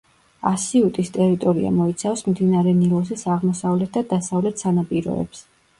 ასიუტის ტერიტორია მოიცავს მდინარე ნილოსის აღმოსავლეთ და დასავლეთ სანაპიროებს.